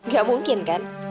gak mungkin kan